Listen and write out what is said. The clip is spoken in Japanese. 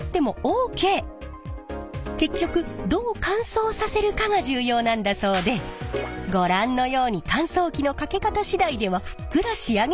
結局どう乾燥させるかが重要なんだそうでご覧のように乾燥機のかけ方次第ではふっくら仕上げられるんです！